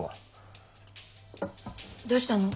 どうしたの？